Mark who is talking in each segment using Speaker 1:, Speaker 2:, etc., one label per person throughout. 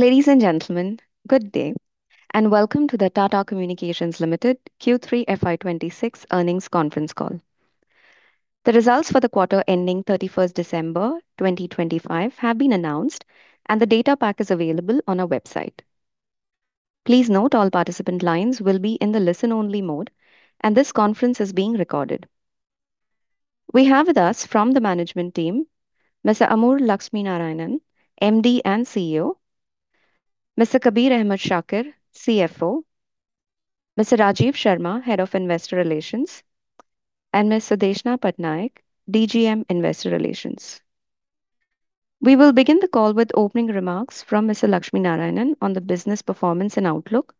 Speaker 1: Ladies and gentlemen, good day, and welcome to the Tata Communications Limited Q3 FY26 earnings conference call. The results for the quarter ending 31 December 2025 have been announced, and the data pack is available on our website. Please note all participant lines will be in the listen-only mode, and this conference is being recorded. We have with us from the management team, Mr. Amur Lakshminarayanan, MD and CEO, Mr. Kabir Ahmed Shakir, CFO, Mr. Rajiv Sharma, Head of Investor Relations, and Ms. Sudeshna Patnaik, DGM Investor Relations. We will begin the call with opening remarks from Mr. Lakshminarayanan on the business performance and outlook,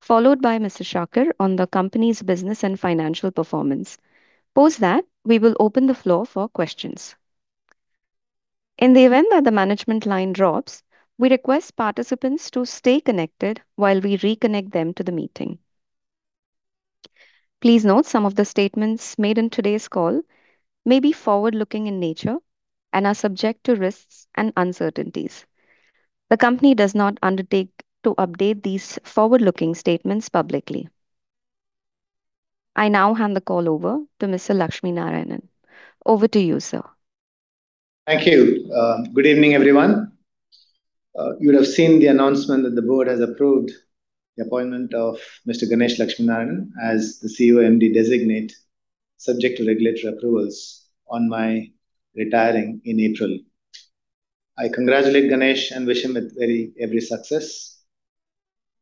Speaker 1: followed by Mr. Shakir on the company's business and financial performance. Post that, we will open the floor for questions. In the event that the management line drops, we request participants to stay connected while we reconnect them to the meeting. Please note some of the statements made in today's call may be forward-looking in nature and are subject to risks and uncertainties. The company does not undertake to update these forward-looking statements publicly. I now hand the call over to Mr. Lakshminarayanan. Over to you, sir.
Speaker 2: Thank you. Good evening, everyone. You would have seen the announcement that the board has approved the appointment of Mr. Ganesh Lakshminarayanan as the CEO MD designate, subject to regulatory approvals on my retiring in April. I congratulate Ganesh and wish him every success.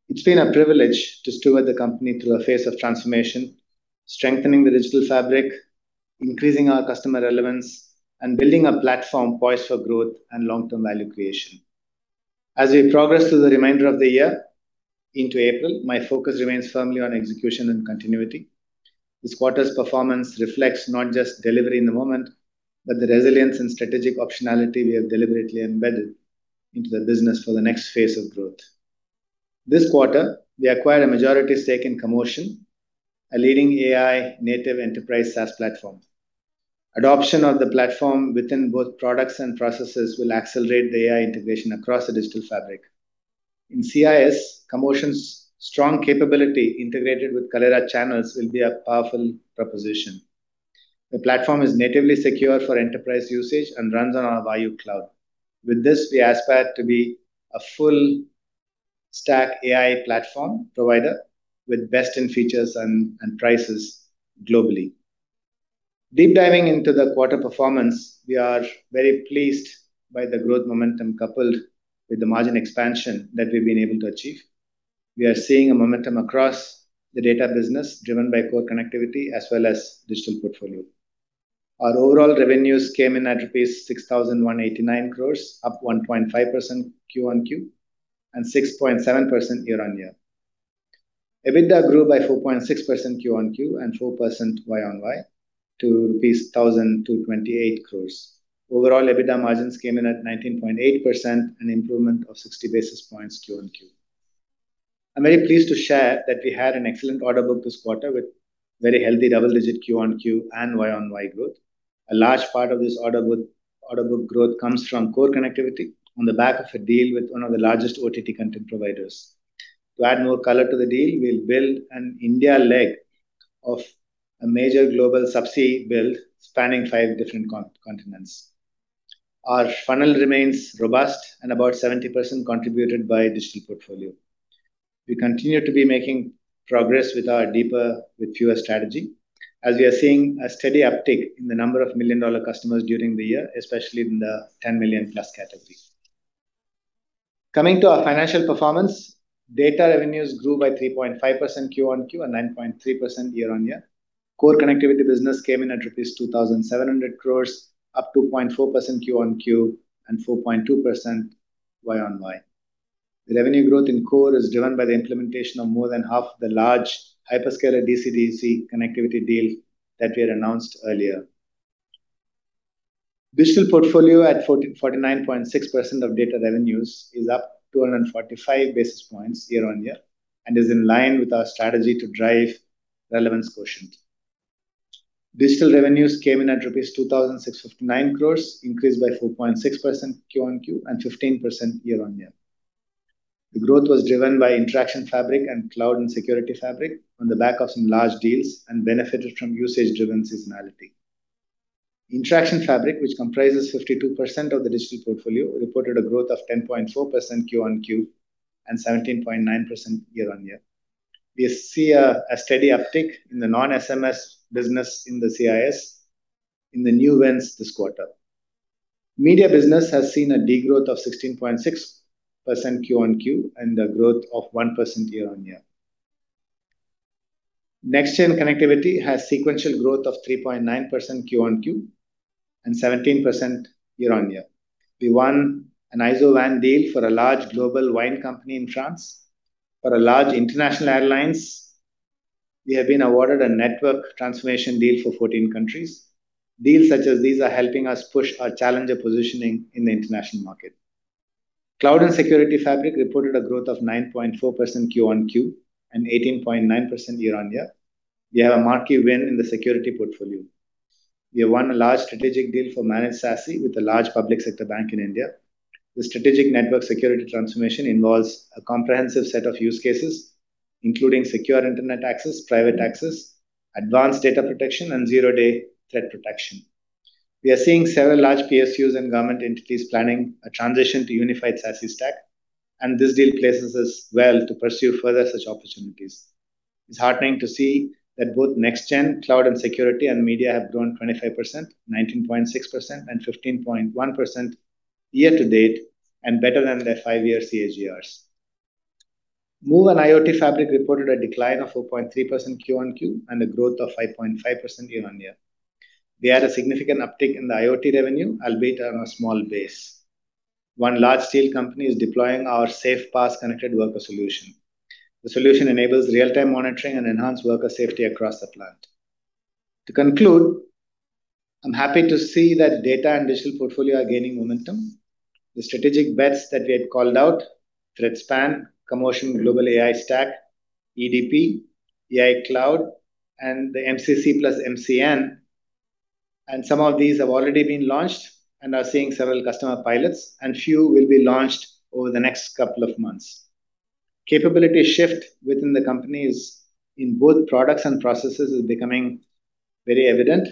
Speaker 2: It's been a privilege to steward the company through a phase of transformation, strengthening the digital fabric, increasing our customer relevance, and building a platform poised for growth and long-term value creation. As we progress through the remainder of the year into April, my focus remains firmly on execution and continuity. This quarter's performance reflects not just delivery in the moment, but the resilience and strategic optionality we have deliberately embedded into the business for the next phase of growth. This quarter, we acquired a majority stake in Commotion, a leading AI-native enterprise SaaS platform. Adoption of the platform within both products and processes will accelerate the AI integration across the digital fabric. In CIS, Commotion's strong capability integrated with Kaleyra channels will be a powerful proposition. The platform is natively secure for enterprise usage and runs on our Vayu Cloud. With this, we aspire to be a full-stack AI platform provider with best-in-features and prices globally. Deep diving into the quarter performance, we are very pleased by the growth momentum coupled with the margin expansion that we've been able to achieve. We are seeing a momentum across the data business driven by Core Connectivity as well as Digital Portfolio. Our overall revenues came in at rupees 6,189 crores, up 1.5% QoQ and 6.7% year-on-year. EBITDA grew by 4.6% QoQ and 4% YoY to rupees 1,228 crores. Overall, EBITDA margins came in at 19.8% and an improvement of 60 basis points QoQ. I'm very pleased to share that we had an excellent order book this quarter with very healthy double-digit QoQ and YoY growth. A large part of this order book growth comes from core connectivity on the back of a deal with one of the largest OTT content providers. To add more color to the deal, we'll build an India leg of a major global subsea build spanning five different continents. Our funnel remains robust and about 70% contributed by digital portfolio. We continue to be making progress with our deeper with fewer strategy, as we are seeing a steady uptick in the number of million-dollar customers during the year, especially in the 10 million-plus category. Coming to our financial performance, data revenues grew by 3.5% QoQ and 9.3% year-on-year. Core connectivity business came in at rupees 2,700 crores, up 2.4% QoQ and 4.2% YoY. The revenue growth in core is driven by the implementation of more than half the large hyperscaler DC-DC connectivity deal that we had announced earlier. Digital portfolio at 49.6% of data revenues is up 245 basis points year-on-year and is in line with our strategy to drive relevance quotient. Digital revenues came in at rupees 2,659 crores, increased by 4.6% QoQ and 15% year-on-year. The growth was driven by interaction fabric and cloud and security fabric on the back of some large deals and benefited from usage-driven seasonality. Interaction fabric, which comprises 52% of the digital portfolio, reported a growth of 10.4% QoQ and 17.9% year-on-year. We see a steady uptick in the non-SMS business in the CIS in the new wins this quarter. Media business has seen a degrowth of 16.6% QoQ and a growth of 1% year-on-year. Next-gen connectivity has sequential growth of 3.9% QoQ and 17% year-on-year. We won an IZO WAN deal for a large global wine company in France. For a large international airline, we have been awarded a network transformation deal for 14 countries. Deals such as these are helping us push our challenger positioning in the international market. Cloud and security fabric reported a growth of 9.4% QoQ and 18.9% year-on-year. We have a marquee win in the security portfolio. We have won a large strategic deal for Managed SASE with a large public sector bank in India. The strategic network security transformation involves a comprehensive set of use cases, including secure internet access, private access, advanced data protection, and zero-day threat protection. We are seeing several large PSUs and government entities planning a transition to unified SASE stack, and this deal places us well to pursue further such opportunities. It's heartening to see that both next-gen cloud and security and media have grown 25%, 19.6%, and 15.1% year-to-date and better than their five-year CAGRs. MOVE and IoT fabric reported a decline of 4.3% QoQ and a growth of 5.5% year-on-year. We had a significant uptick in the IoT revenue, albeit on a small base. One large steel company is deploying our SafePass connected worker solution. The solution enables real-time monitoring and enhanced worker safety across the plant. To conclude, I'm happy to see that data and digital portfolio are gaining momentum. The strategic bets that we had called out, ThreadSpan, Commotion, Global AI Stack, EDP, AI Cloud, and the MCC plus MCN, and some of these have already been launched and are seeing several customer pilots, and few will be launched over the next couple of months. Capability shift within the companies in both products and processes is becoming very evident.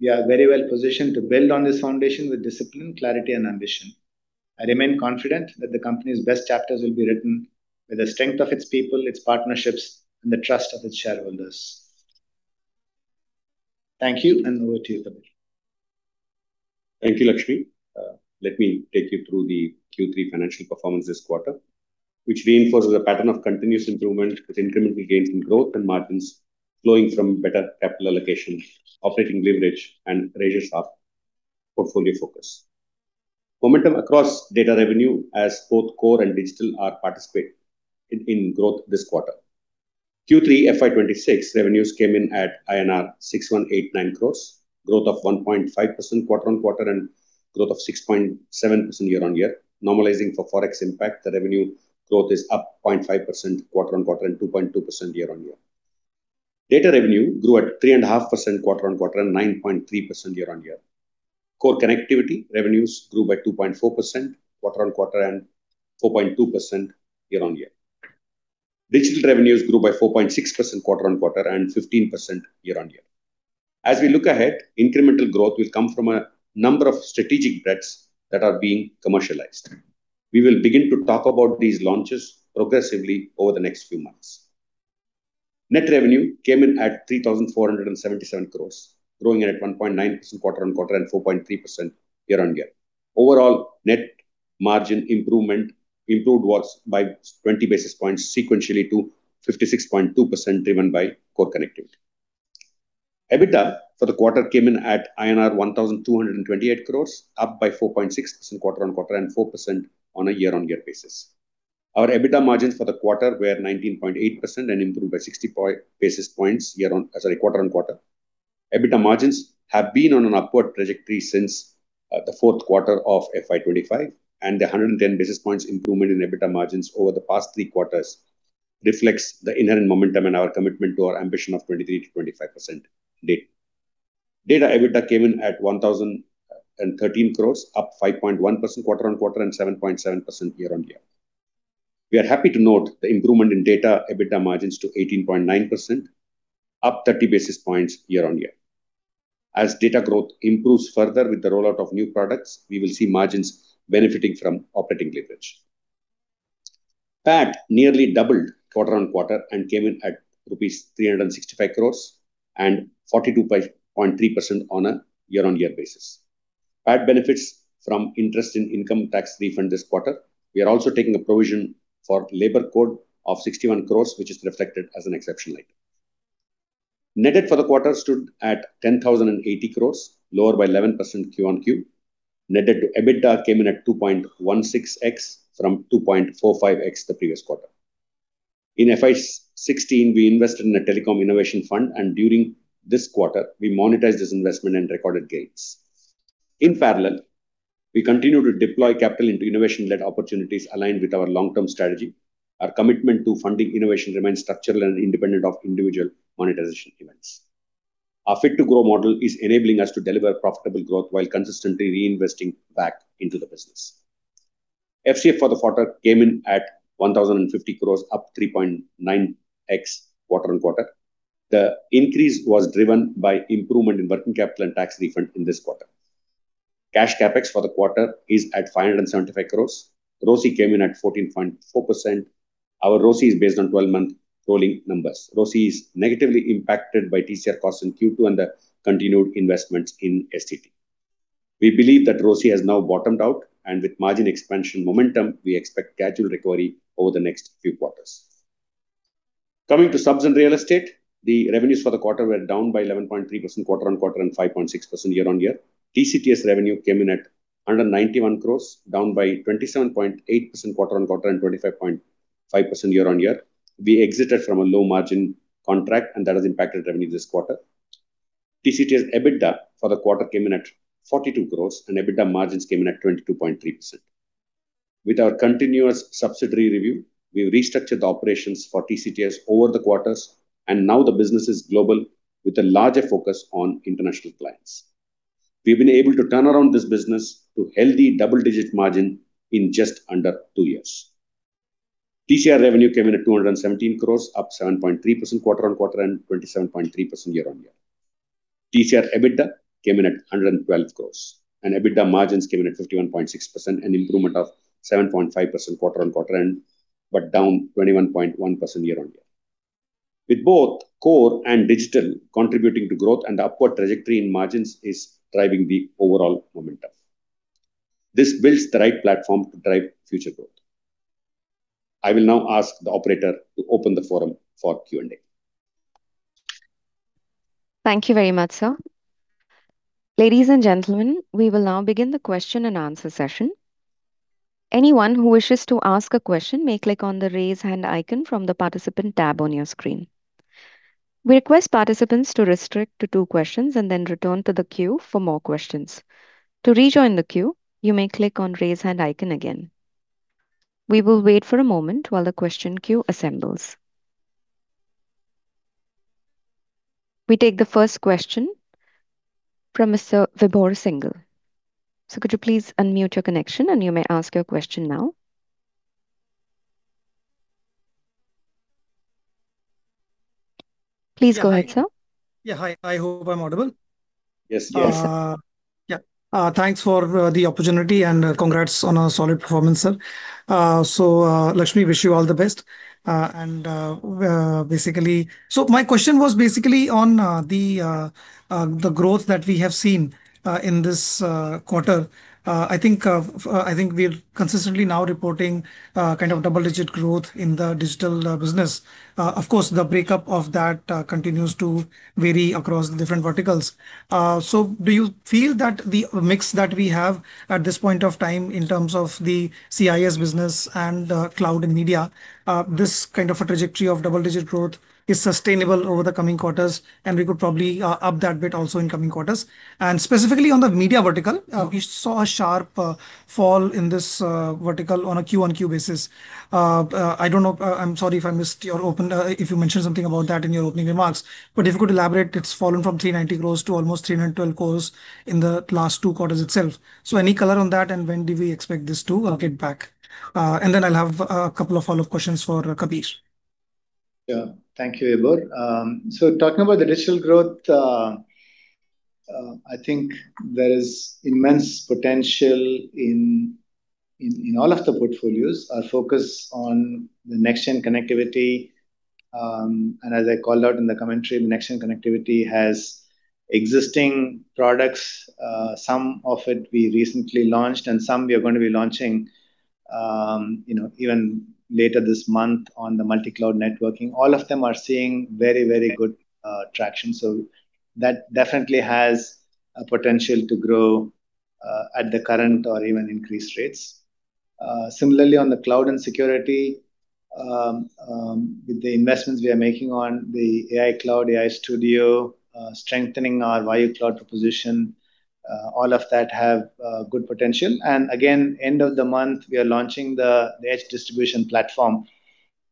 Speaker 2: We are very well positioned to build on this foundation with discipline, clarity, and ambition. I remain confident that the company's best chapters will be written with the strength of its people, its partnerships, and the trust of its shareholders. Thank you, and over to you, Kabir.
Speaker 3: Thank you, Lakshmi. Let me take you through the Q3 financial performance this quarter, which reinforces a pattern of continuous improvement with incremental gains in growth and margins flowing from better capital allocation, operating leverage, and razor-sharp portfolio focus. Momentum across data revenue, as both core and digital are participating in growth this quarter. Q3 FY26 revenues came in at INR 6,189 crores, growth of 1.5% quarter-on-quarter and growth of 6.7% year-on-year. Normalizing for forex impact, the revenue growth is up 0.5% quarter-on-quarter and 2.2% year-on-year. Data revenue grew at 3.5% quarter-on-quarter and 9.3% year-on-year. Core connectivity revenues grew by 2.4% quarter-on-quarter and 4.2% year-on-year. Digital revenues grew by 4.6% quarter-on-quarter and 15% year-on-year. As we look ahead, incremental growth will come from a number of strategic thrusts that are being commercialized. We will begin to talk about these launches progressively over the next few months. Net revenue came in at 3,477 crores, growing at 1.9% quarter-on-quarter and 4.3% year-on-year. Overall, net margin improvement improved by 20 basis points sequentially to 56.2%, driven by Core Connectivity. EBITDA for the quarter came in at INR 1,228 crores, up by 4.6% quarter-on-quarter and 4% on a year-on-year basis. Our EBITDA margins for the quarter were 19.8% and improved by 60 basis points quarter-on-quarter. EBITDA margins have been on an upward trajectory since the fourth quarter of FY25, and the 110 basis points improvement in EBITDA margins over the past three quarters reflects the inherent momentum and our commitment to our ambition of 23%-25% EBITDA. Data EBITDA came in at 1,013 crores, up 5.1% quarter-on-quarter and 7.7% year-on-year. We are happy to note the improvement in data EBITDA margins to 18.9%, up 30 basis points year-on-year. As data growth improves further with the rollout of new products, we will see margins benefiting from operating leverage. PAT nearly doubled quarter-on-quarter and came in at rupees 365 crores and 42.3% on a year-on-year basis. PAT benefits from interest on income tax refund this quarter. We are also taking a provision for Labour Code of 61 crores, which is reflected as an exceptional item. Net debt for the quarter stood at 10,080 crores, lower by 11% QoQ. Net debt to EBITDA came in at 2.16x from 2.45x the previous quarter. In FY 2016, we invested in a telecom innovation fund, and during this quarter, we monetized this investment and recorded gains. In parallel, we continue to deploy capital into innovation-led opportunities aligned with our long-term strategy. Our commitment to funding innovation remains structural and independent of individual monetization events. Our fit-to-grow model is enabling us to deliver profitable growth while consistently reinvesting back into the business. FCF for the quarter came in at 1,050 crores, up 3.9x quarter-on-quarter. The increase was driven by improvement in working capital and tax refund in this quarter. Cash CapEx for the quarter is at 575 crores. ROCE came in at 14.4%. Our ROCE is based on 12-month rolling numbers. ROCE is negatively impacted by TCRE costs in Q2 and the continued investments in STT. We believe that ROCE has now bottomed out, and with margin expansion momentum, we expect gradual recovery over the next few quarters. Coming to subs and real estate, the revenues for the quarter were down by 11.3% quarter-on-quarter and 5.6% year-on-year. TCTS revenue came in at under 91 crores, down by 27.8% quarter-on-quarter and 25.5% year-on-year. We exited from a low margin contract, and that has impacted revenue this quarter. TCTS EBITDA for the quarter came in at 42 crores, and EBITDA margins came in at 22.3%. With our continuous subsidiary review, we restructured the operations for TCTS over the quarters, and now the business is global with a larger focus on international clients. We've been able to turn around this business to healthy double-digit margin in just under two years. TCRE revenue came in at 217 crores, up 7.3% quarter-on-quarter and 27.3% year-on-year. TCRE EBITDA came in at 112 crores, and EBITDA margins came in at 51.6%, an improvement of 7.5% quarter-on-quarter, but down 21.1% year-on-year. With both core and digital contributing to growth, and the upward trajectory in margins is driving the overall momentum. This builds the right platform to drive future growth. I will now ask the operator to open the forum for Q&A.
Speaker 1: Thank you very much, sir. Ladies and gentlemen, we will now begin the question and answer session. Anyone who wishes to ask a question may click on the raise hand icon from the participant tab on your screen. We request participants to restrict to two questions and then return to the queue for more questions. To rejoin the queue, you may click on raise hand icon again. We will wait for a moment while the question queue assembles. We take the first question from Mr. Vibhor Singhal, so could you please unmute your connection, and you may ask your question now. Please go ahead, sir.
Speaker 4: Yeah, hi. I hope I'm audible.
Speaker 3: Yes, yes.
Speaker 2: Yes.
Speaker 4: Yeah. Thanks for the opportunity, and congrats on a solid performance, sir. So, Lakshmi, wish you all the best. And basically, so my question was basically on the growth that we have seen in this quarter. I think we're consistently now reporting kind of double-digit growth in the digital business. Of course, the breakup of that continues to vary across the different verticals. So, do you feel that the mix that we have at this point of time in terms of the CCS business and cloud and media, this kind of a trajectory of double-digit growth is sustainable over the coming quarters, and we could probably up that bit also in coming quarters? And specifically on the media vertical, we saw a sharp fall in this vertical on a QoQ basis. I don't know. I'm sorry if I missed your open, if you mentioned something about that in your opening remarks, but if you could elaborate. It's fallen from 390 crores to almost 312 crores in the last two quarters itself. So, any color on that, and when do we expect this to get back? And then I'll have a couple of follow-up questions for Kabir.
Speaker 2: Yeah, thank you, Vibhor. So, talking about the digital growth, I think there is immense potential in all of the portfolios. Our focus on the next-gen connectivity, and as I called out in the commentary, the next-gen connectivity has existing products, some of it we recently launched, and some we are going to be launching even later this month on the Multi-Cloud Networking. All of them are seeing very, very good traction. So, that definitely has a potential to grow at the current or even increased rates. Similarly, on the cloud and security, with the investments we are making on the AI Cloud, AI Studio, strengthening our Vayu Cloud proposition, all of that have good potential. And again, end of the month, we are launching the Edge Distribution Platform,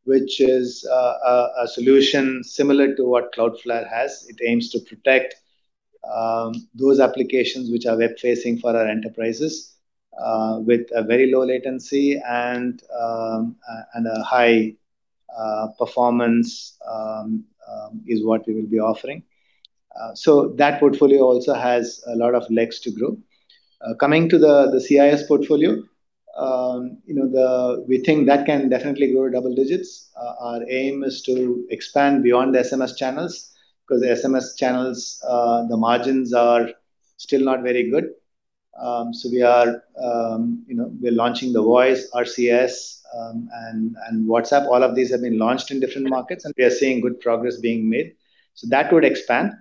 Speaker 2: which is a solution similar to what Cloudflare has. It aims to protect those applications which are web-facing for our enterprises with a very low latency and a high performance is what we will be offering. So, that portfolio also has a lot of legs to grow. Coming to the CIS portfolio, we think that can definitely grow double digits. Our aim is to expand beyond the SMS channels because SMS channels, the margins are still not very good. So, we are launching the voice, RCS, and WhatsApp. All of these have been launched in different markets, and we are seeing good progress being made. So, that would expand.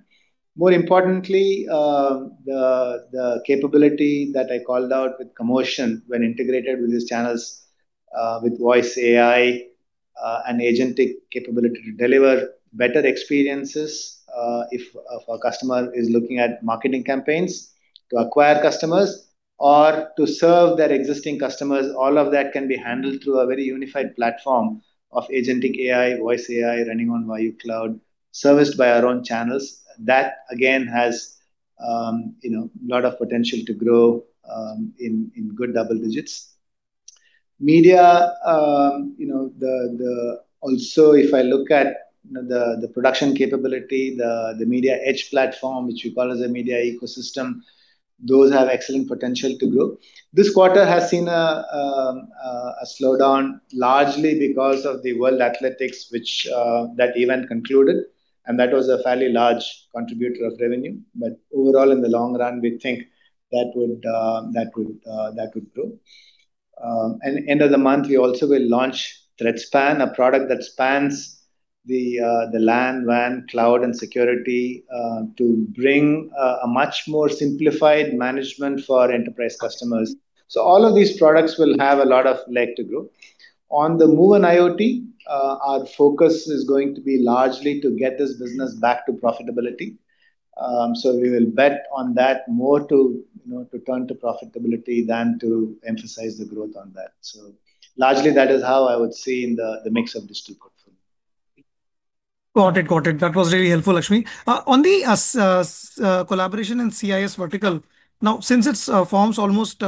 Speaker 2: More importantly, the capability that I called out with Commotion, when integrated with these channels with voice, AI, and agentic capability to deliver better experiences if a customer is looking at marketing campaigns to acquire customers or to serve their existing customers, all of that can be handled through a very unified platform of agentic AI, voice AI running on Vayu Cloud, serviced by our own channels. That, again, has a lot of potential to grow in good double digits. Media, also, if I look at the production capability, the Media Edge platform, which we call as a media ecosystem, those have excellent potential to grow. This quarter has seen a slowdown largely because of the World Athletics, which event concluded, and that was a fairly large contributor of revenue. But overall, in the long run, we think that would grow. End of the month, we also will launch ThreadSpan, a product that spans the LAN, WAN, cloud, and security to bring a much more simplified management for enterprise customers. All of these products will have a lot of legs to grow. On the MOVE on IoT, our focus is going to be largely to get this business back to profitability. We will bet on that more to turn to profitability than to emphasize the growth on that. Largely, that is how I would see the mix of Digital Portfolio.
Speaker 4: Got it, got it. That was really helpful, Lakshmi. On the collaboration in CIS vertical, now, since it forms almost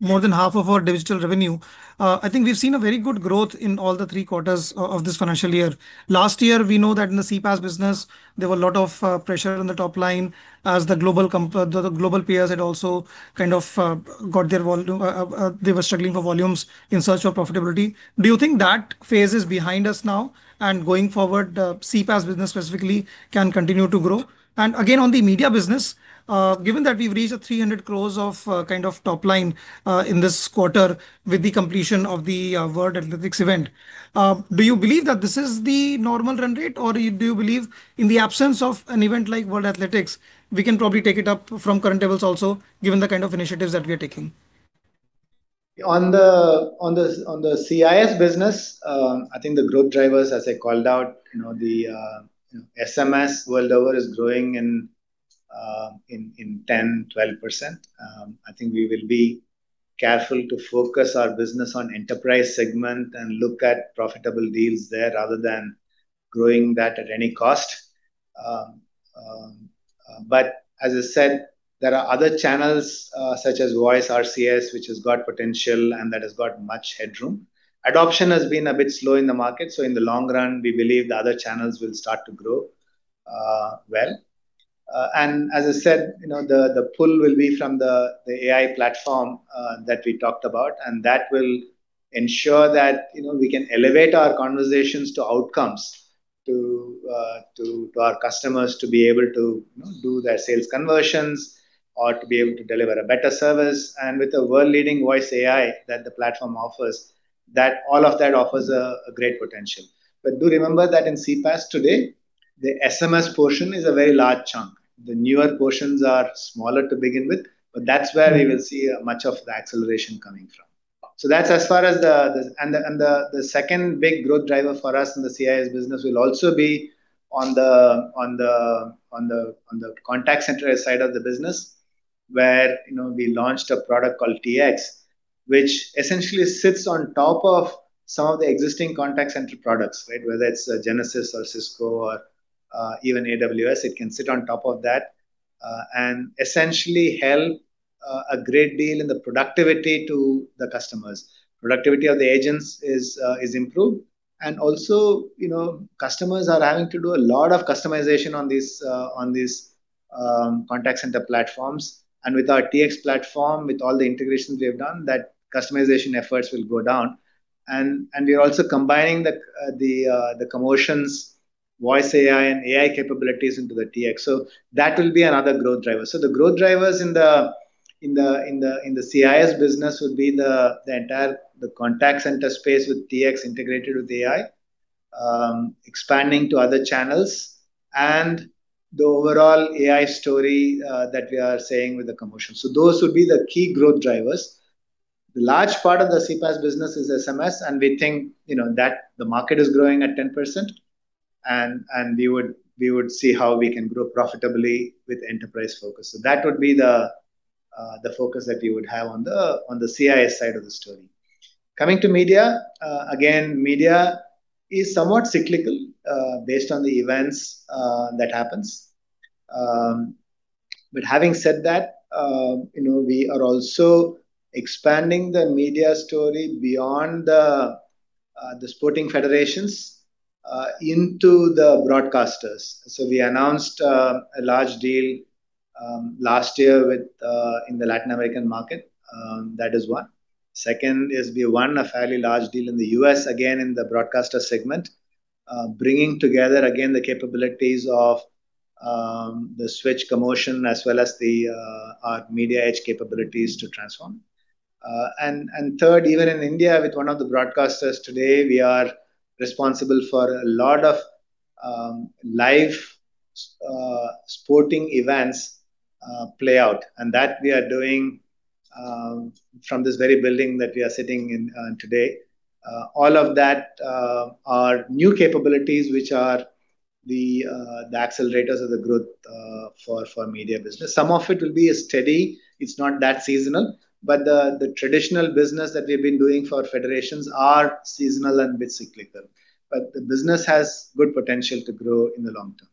Speaker 4: more than half of our digital revenue, I think we've seen a very good growth in all the three quarters of this financial year. Last year, we know that in the CPaaS business, there was a lot of pressure on the top line as the global players had also kind of got their volume. They were struggling for volumes in search of profitability. Do you think that phase is behind us now, and going forward, the CPaaS business specifically can continue to grow? Again, on the media business, given that we've reached 300 crores of kind of top line in this quarter with the completion of the World Athletics event, do you believe that this is the normal run rate, or do you believe in the absence of an event like World Athletics, we can probably take it up from current levels also, given the kind of initiatives that we are taking?
Speaker 2: On the CIS business, I think the growth drivers, as I called out, the SMS world over is growing in 10%, 12%. I think we will be careful to focus our business on enterprise segment and look at profitable deals there rather than growing that at any cost. But as I said, there are other channels such as voice, RCS, which has got potential, and that has got much headroom. Adoption has been a bit slow in the market. So, in the long run, we believe the other channels will start to grow well. And as I said, the pull will be from the AI platform that we talked about, and that will ensure that we can elevate our conversations to outcomes to our customers to be able to do their sales conversions or to be able to deliver a better service. With the world-leading voice AI that the platform offers, all of that offers a great potential. But do remember that in CPaaS today, the SMS portion is a very large chunk. The newer portions are smaller to begin with, but that's where we will see much of the acceleration coming from. So, that's as far as, and the second big growth driver for us in the CIS business will also be on the contact center side of the business, where we launched a product called TX, which essentially sits on top of some of the existing contact center products, right? Whether it's Genesys or Cisco or even AWS, it can sit on top of that and essentially help a great deal in the productivity to the customers. Productivity of the agents is improved. And also, customers are having to do a lot of customization on these contact center platforms. And with our TX platform, with all the integrations we have done, that customization efforts will go down. And we are also combining the Commotion's voice AI and AI capabilities into the TX. So, that will be another growth driver. So, the growth drivers in the CIS business would be the entire contact center space with TX integrated with AI, expanding to other channels, and the overall AI story that we are saying with the Commotion. So, those would be the key growth drivers. The large part of the CPaaS business is SMS, and we think that the market is growing at 10%, and we would see how we can grow profitably with enterprise focus. So, that would be the focus that we would have on the CIS side of the story. Coming to media, again, media is somewhat cyclical based on the events that happen. But having said that, we are also expanding the media story beyond the sporting federations into the broadcasters. So, we announced a large deal last year in the Latin American market. That is one. Second is we won a fairly large deal in the U.S., again, in the broadcaster segment, bringing together again the capabilities of The Switch, Commotion as well as our Media Edge capabilities to transform. And third, even in India, with one of the broadcasters today, we are responsible for a lot of live sporting events play out. And that we are doing from this very building that we are sitting in today. All of that are new capabilities, which are the accelerators of the growth for media business. Some of it will be steady. It's not that seasonal. But the traditional business that we have been doing for federations are seasonal and a bit cyclical. But the business has good potential to grow in the long term.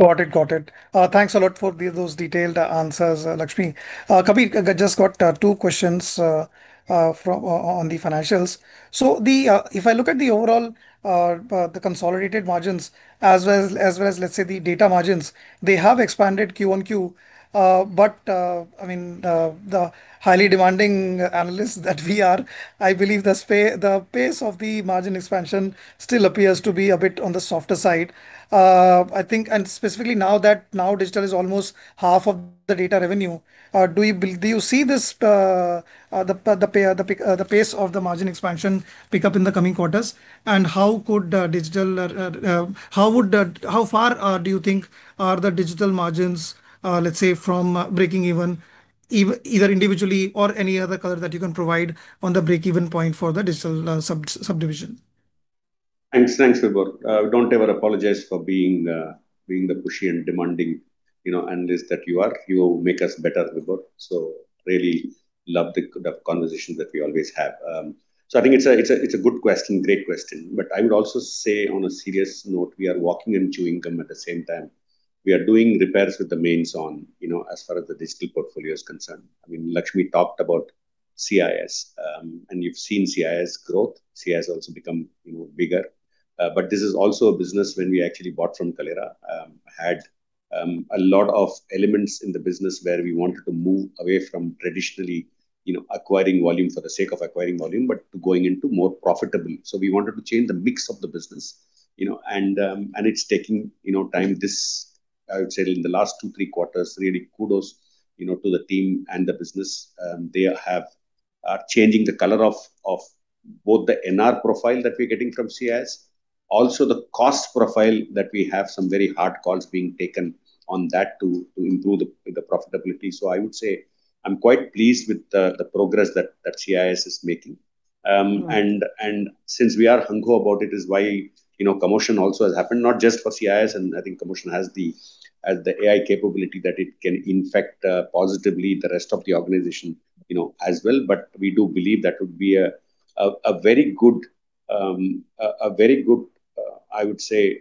Speaker 4: Got it, got it. Thanks a lot for those detailed answers, Lakshmi. Kabir, I just got two questions on the financials. So, if I look at the overall, the consolidated margins, as well as, let's say, the data margins, they have expanded QoQ. But I mean, the highly demanding analyst that we are, I believe the pace of the margin expansion still appears to be a bit on the softer side. I think, and specifically now that digital is almost half of the data revenue, do you see the pace of the margin expansion pickup in the coming quarters? And how far do you think are the digital margins, let's say, from breaking even, either individually or any other color that you can provide on the break-even point for the digital subdivision?
Speaker 3: Thanks, Vibhor. Don't ever apologize for being the pushy and demanding analyst that you are. You make us better, Vibhor. So, really love the conversation that we always have. So, I think it's a good question, great question. But I would also say on a serious note, we are walking and chewing gum at the same time. We are doing repairs with the mains on as far as the digital portfolio is concerned. I mean, Lakshmi talked about CIS, and you've seen CIS growth. CIS has also become bigger. But this is also a business when we actually bought from Kaleyra, had a lot of elements in the business where we wanted to move away from traditionally acquiring volume for the sake of acquiring volume, but going into more profitable. So, we wanted to change the mix of the business. It's taking time, this. I would say in the last two, three quarters. Really kudos to the team and the business. They are changing the color of both the NR profile that we are getting from CIS, also the cost profile that we have, some very hard calls being taken on that to improve the profitability. I would say I'm quite pleased with the progress that CIS is making. Since we are hungry about it, is why Commotion also has happened, not just for CIS. I think Commotion has the AI capability that it can impact positively the rest of the organization as well. We do believe that would be a very good, a very good, I would say,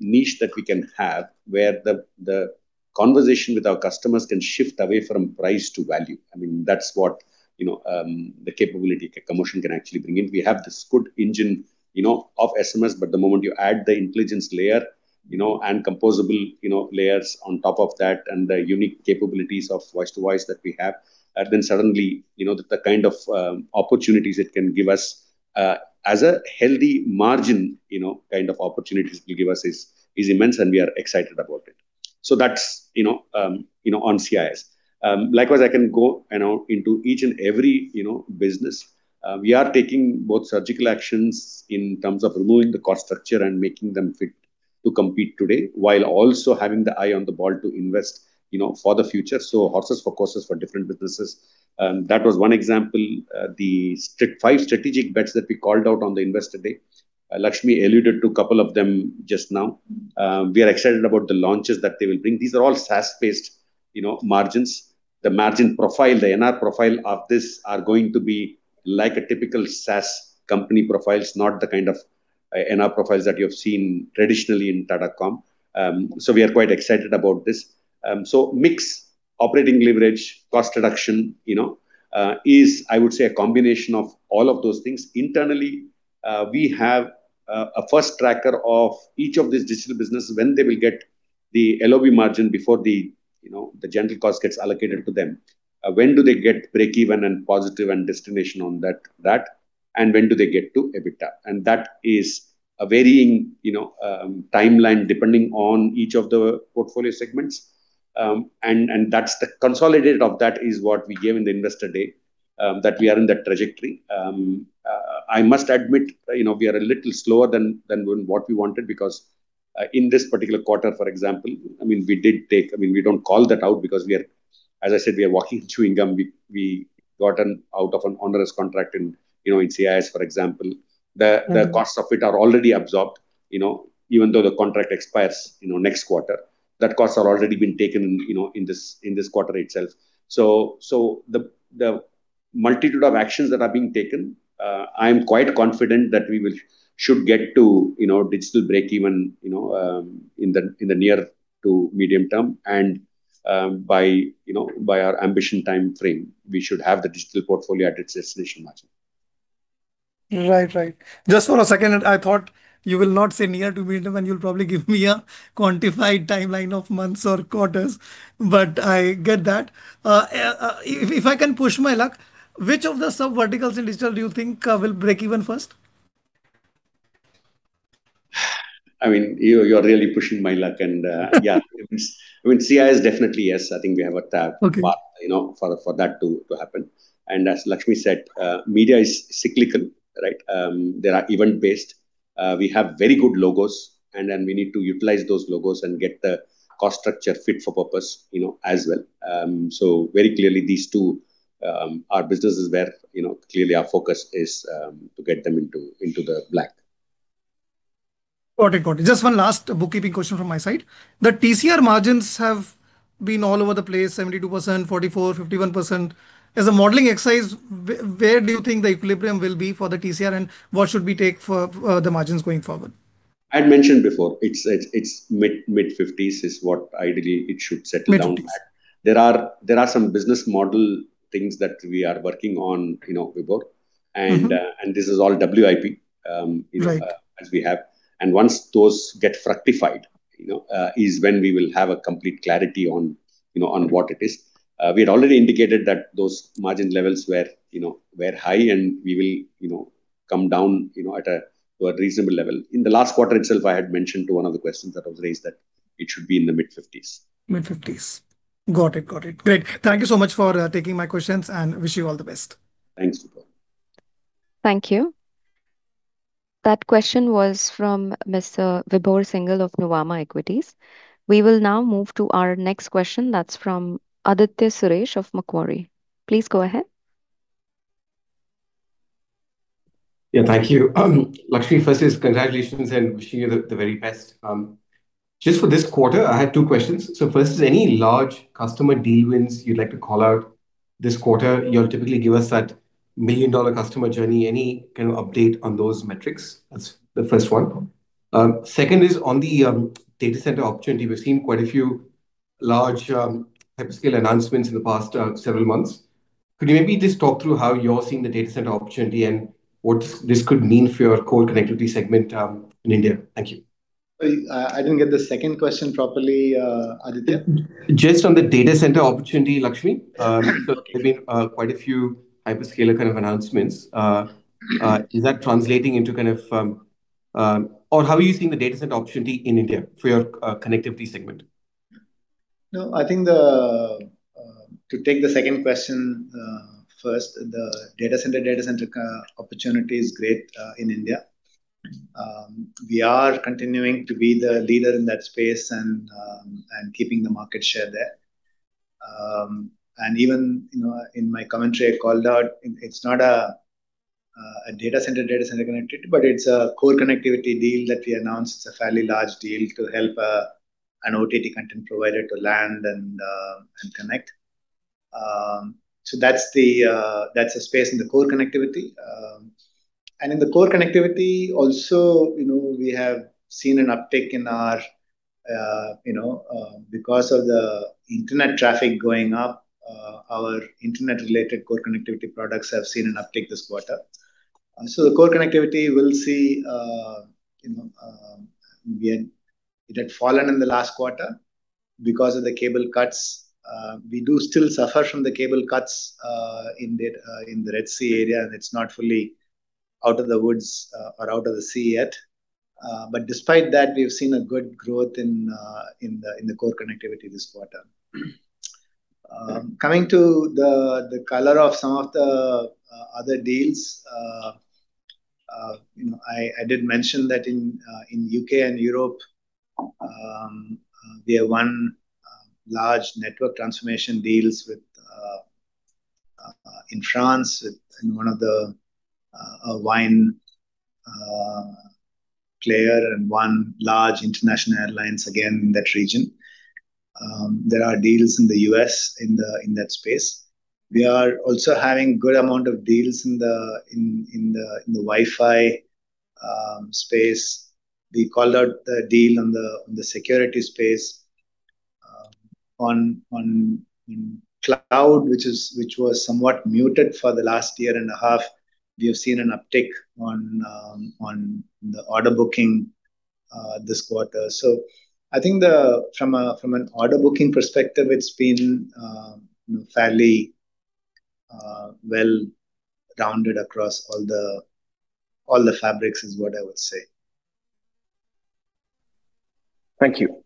Speaker 3: niche that we can have where the conversation with our customers can shift away from price to value. I mean, that's what the capability Commotion can actually bring in. We have this good engine of SMS, but the moment you add the intelligence layer and composable layers on top of that and the unique capabilities of voice to voice that we have, then suddenly the kind of opportunities it can give us as a healthy margin kind of opportunities will give us is immense, and we are excited about it. So, that's on CIS. Likewise, I can go into each and every business. We are taking both surgical actions in terms of removing the cost structure and making them fit to compete today while also having the eye on the ball to invest for the future. So, horses for courses for different businesses. That was one example, the five strategic bets that we called out on the investor day. Lakshmi alluded to a couple of them just now. We are excited about the launches that they will bring. These are all SaaS-based margins. The margin profile, the NR profile of this are going to be like a typical SaaS company profiles, not the kind of NR profiles that you have seen traditionally in Tata Communications. So, we are quite excited about this. So, mixed operating leverage, cost reduction is, I would say, a combination of all of those things. Internally, we have a P&L tracker of each of these digital businesses when they will get the LOB margin before the general cost gets allocated to them. When do they get break-even and positive and accretion on that, and when do they get to EBITDA? And that is a varying timeline depending on each of the portfolio segments. And that's the consolidation of that is what we gave in the investor day that we are in that trajectory. I must admit we are a little slower than what we wanted because in this particular quarter, for example, I mean, we did take, I mean, we don't call that out because we are, as I said, we are walking and chewing gum. We got out of an onerous contract in CIS, for example. The costs of it are already absorbed, even though the contract expires next quarter. That costs have already been taken in this quarter itself, so the multitude of actions that are being taken. I am quite confident that we should get to digital break-even in the near to medium term, and by our ambition time frame, we should have the digital portfolio at its destination margin.
Speaker 4: Right, right. Just for a second, I thought you will not say near to medium and you'll probably give me a quantified timeline of months or quarters, but I get that. If I can push my luck, which of the subverticals in digital do you think will break even first?
Speaker 3: I mean, you are really pushing my luck. And yeah, I mean, CCS definitely, yes, I think we have a task for that to happen. And as Lakshmi said, media is cyclical, right? There are event-based. We have very good logos, and then we need to utilize those logos and get the cost structure fit for purpose as well. So, very clearly, these two are businesses where clearly our focus is to get them into the black.
Speaker 4: Got it, got it. Just one last bookkeeping question from my side. The TCRE margins have been all over the place, 72%, 44%, 51%. As a modeling exercise, where do you think the equilibrium will be for the TCRE and what should we take for the margins going forward?
Speaker 3: I had mentioned before, it's mid-50s% is what ideally it should settle down at. There are some business model things that we are working on, Vibhor, and this is all WIP as we have, and once those get fructified is when we will have a complete clarity on what it is. We had already indicated that those margin levels were high, and we will come down at a reasonable level. In the last quarter itself, I had mentioned to one of the questions that was raised that it should be in the mid-50s%.
Speaker 4: Mid-50s. Got it, got it. Great. Thank you so much for taking my questions and wish you all the best.
Speaker 3: Thanks, Vibhor.
Speaker 1: Thank you. That question was from Mr. Vibhor Singhal of Nuvama Equities. We will now move to our next question. That's from Aditya Suresh of Macquarie. Please go ahead.
Speaker 5: Yeah, thank you. Lakshmi, first is congratulations and wishing you the very best. Just for this quarter, I had two questions. So first is any large customer deal wins you'd like to call out this quarter? You'll typically give us that million-dollar customer journey. Any kind of update on those metrics? That's the first one. Second is on the data center opportunity. We've seen quite a few large hyperscale announcements in the past several months. Could you maybe just talk through how you're seeing the data center opportunity and what this could mean for your core connectivity segment in India? Thank you.
Speaker 2: I didn't get the second question properly, Aditya.
Speaker 5: Just on the data center opportunity, Lakshmi. So there have been quite a few hyperscale kind of announcements. Is that translating into kind of, or how are you seeing the data center opportunity in India for your connectivity segment?
Speaker 2: No, I think to take the second question first, the data center opportunity is great in India. We are continuing to be the leader in that space and keeping the market share there. And even in my commentary, I called out, it's not a data center connectivity, but it's a core connectivity deal that we announced. It's a fairly large deal to help an OTT content provider to land and connect. So that's the space in the core connectivity. And in the core connectivity, also we have seen an uptick in our, because of the internet traffic going up, our internet-related core connectivity products have seen an uptick this quarter. So the core connectivity will see, it had fallen in the last quarter because of the cable cuts. We do still suffer from the cable cuts in the Red Sea area, and it's not fully out of the woods or out of the sea yet. But despite that, we have seen a good growth in the Core Connectivity this quarter. Coming to the color of some of the other deals, I did mention that in the U.K. and Europe, we have one large network transformation deal in France with one of the wine player and one large international airlines again in that region. There are deals in the U.S. in that space. We are also having a good amount of deals in the Wi-Fi space. We called out the deal on the security space. On cloud, which was somewhat muted for the last year and a half, we have seen an uptick on the order booking this quarter. So, I think from an order booking perspective, it's been fairly well rounded across all the fabrics, is what I would say.
Speaker 5: Thank you.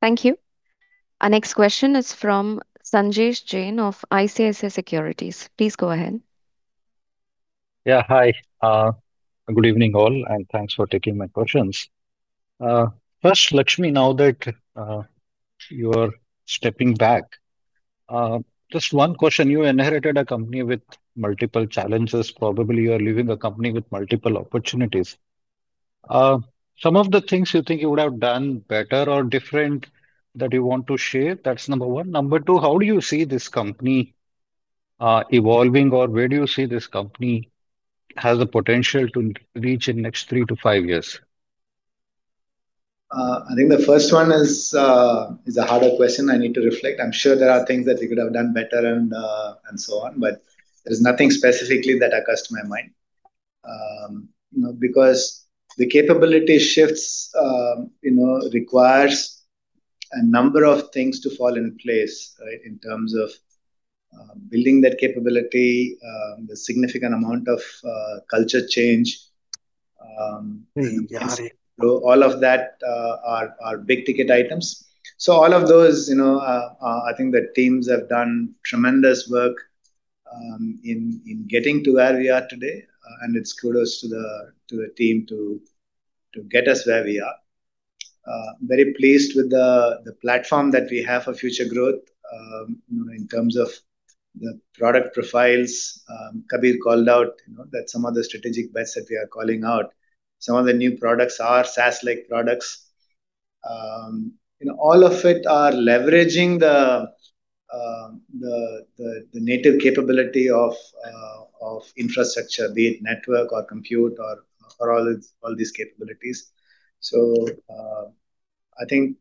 Speaker 1: Thank you. Our next question is from Sanjesh Jain of ICICI Securities. Please go ahead.
Speaker 6: Yeah, hi. Good evening all, and thanks for taking my questions. First, Lakshmi, now that you are stepping back, just one question. You inherited a company with multiple challenges. Probably you are leaving a company with multiple opportunities. Some of the things you think you would have done better or different that you want to share, that's number one. Number two, how do you see this company evolving, or where do you see this company has the potential to reach in the next three to five years?
Speaker 2: I think the first one is a harder question. I need to reflect. I'm sure there are things that we could have done better and so on, but there's nothing specifically that occurs to my mind. Because the capability shifts requires a number of things to fall in place in terms of building that capability, the significant amount of culture change. All of that are big ticket items. So all of those, I think the teams have done tremendous work in getting to where we are today, and it's kudos to the team to get us where we are. Very pleased with the platform that we have for future growth in terms of the product profiles. Kabir called out that some of the strategic bets that we are calling out, some of the new products are SaaS-like products. All of it are leveraging the native capability of infrastructure, be it network or compute or all these capabilities. So I think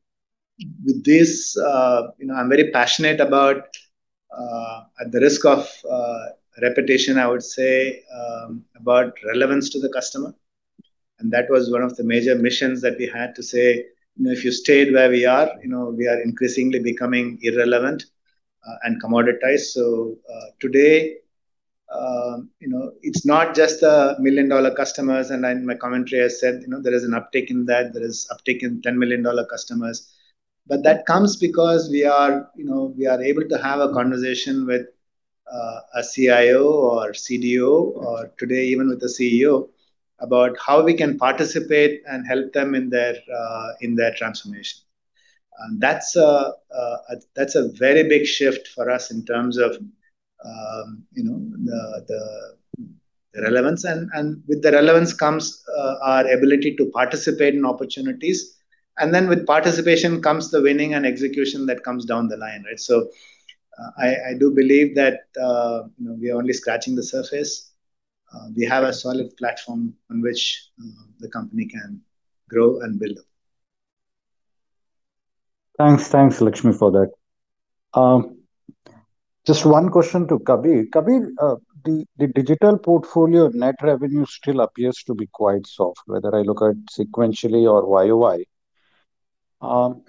Speaker 2: with this, I'm very passionate about, at the risk of reputation, I would say, about relevance to the customer, and that was one of the major missions that we had to say, if you stayed where we are, we are increasingly becoming irrelevant and commoditized. So today, it's not just the million-dollar customers, and in my commentary, I said there is an uptick in that. There is an uptick in 10 million-dollar customers, but that comes because we are able to have a conversation with a CIO or CDO, or today even with the CEO, about how we can participate and help them in their transformation. That's a very big shift for us in terms of the relevance. With the relevance comes our ability to participate in opportunities. And then with participation comes the winning and execution that comes down the line. I do believe that we are only scratching the surface. We have a solid platform on which the company can grow and build up.
Speaker 6: Thanks, Lakshmi, for that. Just one question to Kabir. Kabir, the digital portfolio net revenue still appears to be quite soft, whether I look at sequentially or YOY.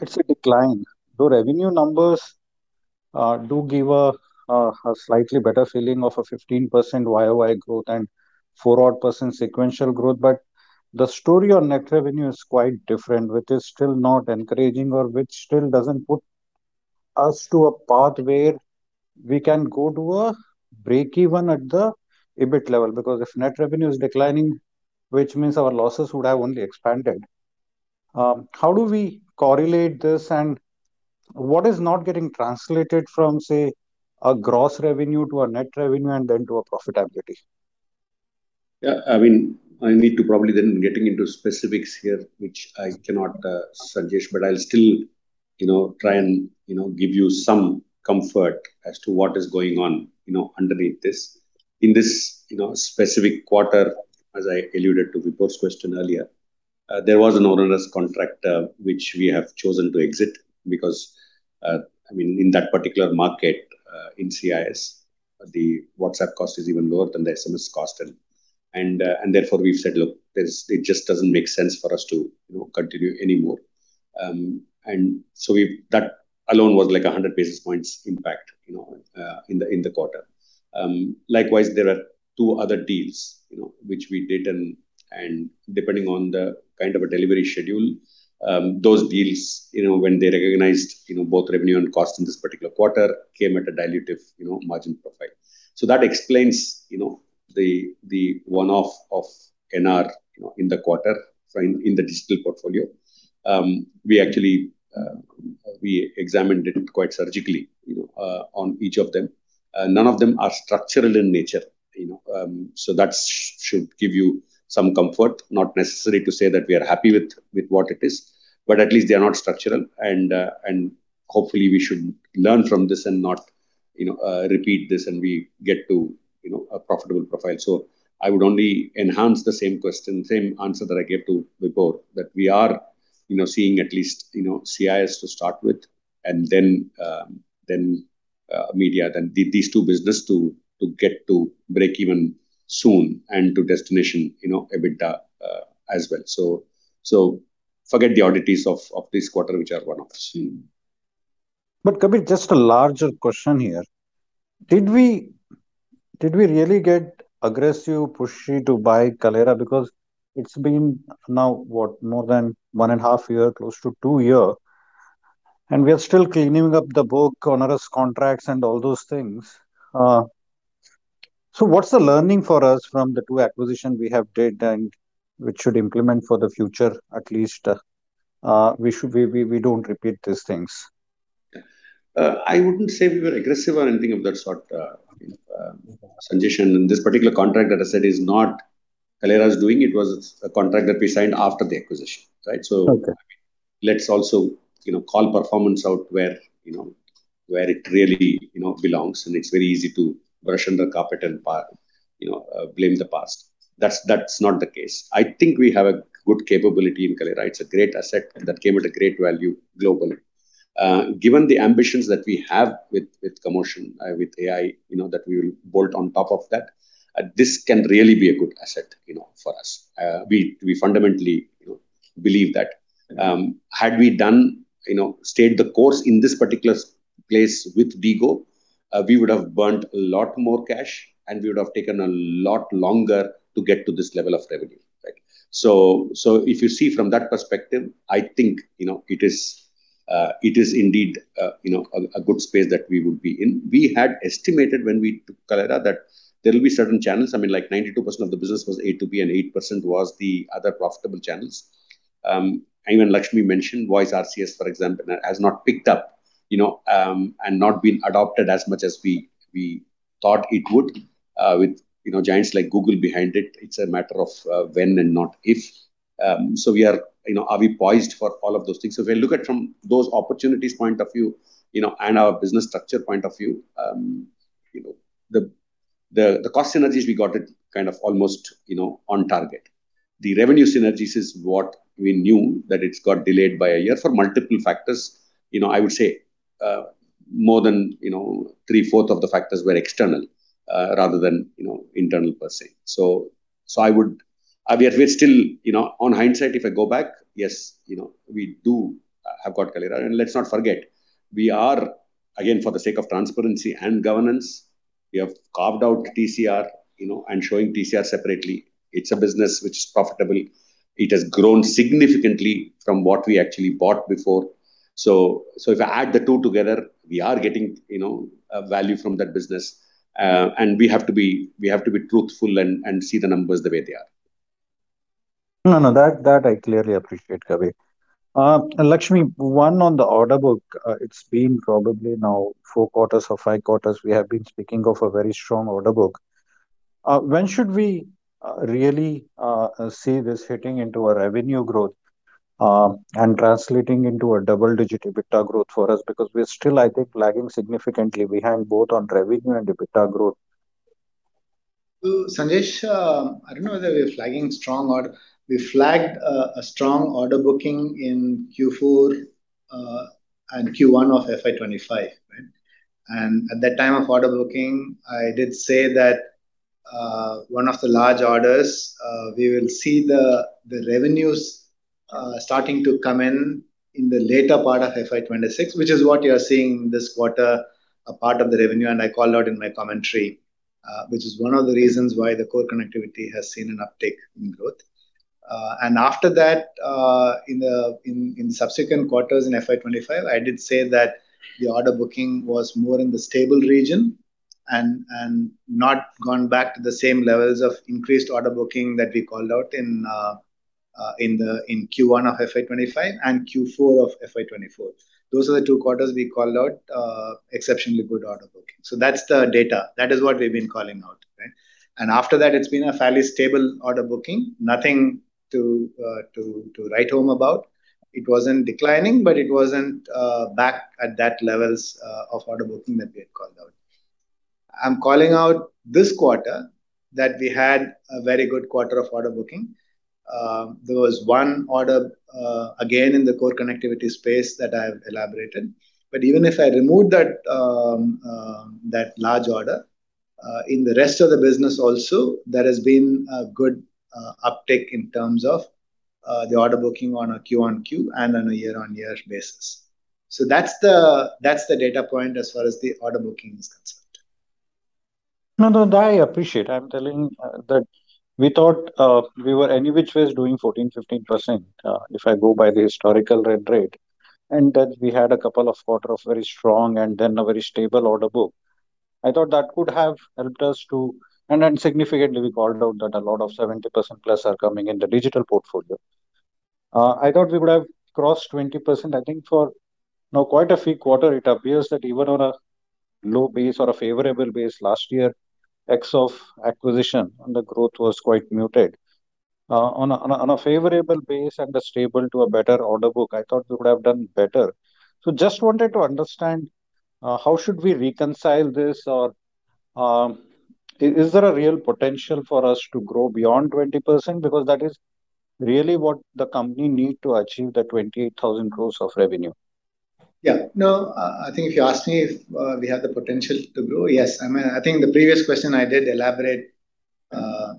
Speaker 6: It's a decline. The revenue numbers do give a slightly better feeling of a 15% YOY growth and 4% sequential growth. But the story on net revenue is quite different, which is still not encouraging or which still doesn't put us to a path where we can go to a break-even at the EBIT level. Because if net revenue is declining, which means our losses would have only expanded. How do we correlate this? And what is not getting translated from, say, a gross revenue to a net revenue and then to a profitability?
Speaker 3: Yeah, I mean, I need to probably then getting into specifics here, which I cannot suggest, but I'll still try and give you some comfort as to what is going on underneath this. In this specific quarter, as I alluded to Vibhor's question earlier, there was an onerous contract which we have chosen to exit because, I mean, in that particular market in CIS, the WhatsApp cost is even lower than the SMS cost. And therefore, we've said, look, it just doesn't make sense for us to continue anymore. And so that alone was like 100 basis points impact in the quarter. Likewise, there are two other deals which we did. And depending on the kind of a delivery schedule, those deals, when they recognized both revenue and cost in this particular quarter, came at a dilutive margin profile. So that explains the one-off of INR in the quarter in the digital portfolio. We examined it quite surgically on each of them. None of them are structural in nature. So that should give you some comfort, not necessary to say that we are happy with what it is, but at least they are not structural. And hopefully, we should learn from this and not repeat this and we get to a profitable profile. So I would only enhance the same answer that I gave to Vibhor, that we are seeing at least CIS to start with, and then media, then these two businesses to get to break even soon and to destination EBITDA as well. So forget the oddities of this quarter, which are one-offs.
Speaker 6: But Kabir, just a larger question here. Did we really get aggressive pushy to buy Kaleyra? Because it's been now what, more than one and a half years, close to two years, and we are still cleaning up the book, onerous contracts, and all those things. So what's the learning for us from the two acquisitions we have did and which should implement for the future, at least we don't repeat these things?
Speaker 3: I wouldn't say we were aggressive or anything of that sort. Sanjesh Jain, in this particular contract that I said is not Kaleyra's doing. It was a contract that we signed after the acquisition. So let's also call performance out where it really belongs. And it's very easy to brush under the carpet and blame the past. That's not the case. I think we have a good capability in Kaleyra. It's a great asset that came at a great value globally. Given the ambitions that we have with Commotion, with AI, that we will bolt on top of that, this can really be a good asset for us. We fundamentally believe that. Had we stayed the course in this particular place with DIGO, we would have burnt a lot more cash, and we would have taken a lot longer to get to this level of revenue. So if you see from that perspective, I think it is indeed a good space that we would be in. We had estimated when we took Kaleyra that there will be certain channels. I mean, like 92% of the business was A to B, and 8% was the other profitable channels. Even Lakshmi mentioned Voice RCS, for example, has not picked up and not been adopted as much as we thought it would with giants like Google behind it. It's a matter of when and not if. So are we poised for all of those things? So if we look at from those opportunities point of view and our business structure point of view, the cost synergies we got it kind of almost on target. The revenue synergies is what we knew that it got delayed by a year for multiple factors. I would say more than three-fourths of the factors were external rather than internal per se. So we are still on hindsight. If I go back, yes, we do have got Kaleyra. And let's not forget, we are, again, for the sake of transparency and governance, we have carved out TCTS and showing TCTS separately. It's a business which is profitable. It has grown significantly from what we actually bought before. So if I add the two together, we are getting value from that business. And we have to be truthful and see the numbers the way they are.
Speaker 6: No, no, that I clearly appreciate, Kabir. Lakshmi, one on the order book, it's been probably now four quarters or five quarters, we have been speaking of a very strong order book. When should we really see this hitting into our revenue growth and translating into a double-digit EBITDA growth for us? Because we are still, I think, lagging significantly behind both on revenue and EBITDA growth.
Speaker 2: Sanjesh, I don't know whether we're flagging strong order. We flagged a strong order booking in Q4 and Q1 of FY25. And at that time of order booking, I did say that one of the large orders, we will see the revenues starting to come in in the later part of FY26, which is what you are seeing this quarter, a part of the revenue. And I called out in my commentary, which is one of the reasons why the Core Connectivity has seen an uptick in growth. And after that, in the subsequent quarters in FY25, I did say that the order booking was more in the stable region and not gone back to the same levels of increased order booking that we called out in Q1 of FY25 and Q4 of FY24. Those are the two quarters we called out exceptionally good order booking. So that's the data. That is what we've been calling out. After that, it's been a fairly stable order booking. Nothing to write home about. It wasn't declining, but it wasn't back at that levels of order booking that we had called out. I'm calling out this quarter that we had a very good quarter of order booking. There was one order again in the Core Connectivity space that I have elaborated. Even if I remove that large order, in the rest of the business also, there has been a good uptick in terms of the order booking on a Q on Q and on a year-on-year basis. That's the data point as far as the order booking is concerned.
Speaker 6: No, no, I appreciate. I'm telling that we thought we were any which way doing 14%-15% if I go by the historical run rate. And that we had a couple of quarters of very strong and then a very stable order book. I thought that could have helped us to, and significantly we called out that a lot of 70% plus are coming in the digital portfolio. I thought we would have crossed 20%. I think for quite a few quarters, it appears that even on a low base or a favorable base last year, effects of acquisition and the growth was quite muted. On a favorable base and a stable to a better order book, I thought we would have done better. So just wanted to understand how should we reconcile this? Or is there a real potential for us to grow beyond 20%? Because that is really what the company needs to achieve the 28% growth of revenue.
Speaker 2: Yeah. No, I think if you ask me if we have the potential to grow, yes. I mean, I think the previous question I did elaborate